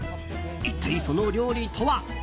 一体、その料理とは？